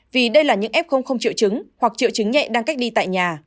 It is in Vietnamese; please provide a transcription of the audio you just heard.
vì đây là những f không triệu chứng hoặc triệu chứng nhẹ đang cách ly tại nhà